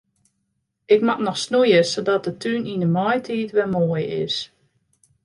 Ik moat noch snoeie sadat de tún yn de maitiid wer moai is.